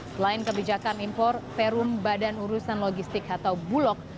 selain kebijakan impor perum badan urusan logistik atau bulog